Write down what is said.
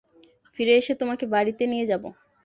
ফিরে এসে তোমাকে বাড়িতে নিয়ে যাবো।